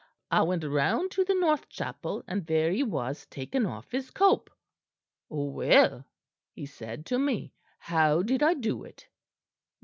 I went round to the north chapel, and there he was taking off his cope. "'Well,' he said to me, 'how did I do it?'